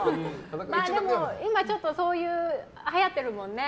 でも、今ちょっとそういうのはやってるもんね。